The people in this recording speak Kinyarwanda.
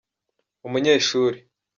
umunyeshuri.